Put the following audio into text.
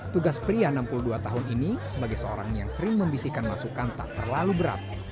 tugas pria enam puluh dua tahun ini sebagai seorang yang sering membisihkan masukan tak terlalu berat